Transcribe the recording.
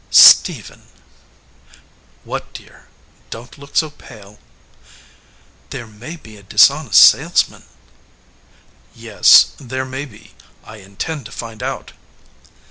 "Stephen." "What, dear? Don t look so pale." "There may be a dishonest salesman." "Yes, there may be. I intend to find out."